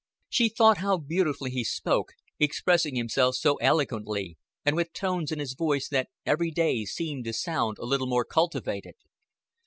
She thought how beautifully he spoke, expressing himself so elegantly, and with tones in his voice that every day seemed to sound a little more cultivated.